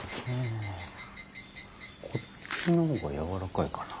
こっちの方がやわらかいかな。